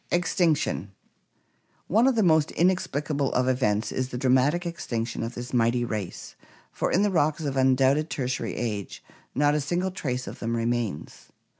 Extinction* — One of the most inexplicable of events is the dra matic extinction of this mighty race, for in the rocks of undoubted Tertiary age not a single trace of them remains.